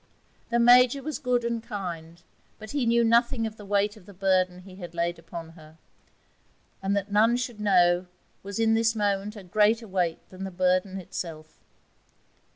The Major was good and kind, but he knew nothing of the weight of the burden he had laid upon her, and that none should know was in this moment a greater weight than the burden itself.